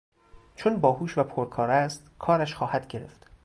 چون باهوش و پرکار است کارش خواهد گرفت.